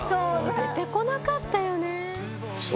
出てこなかったよね。